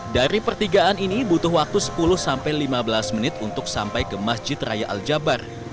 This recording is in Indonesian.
dari pertigaan ini butuh waktu sepuluh sampai lima belas menit untuk sampai ke masjid raya al jabar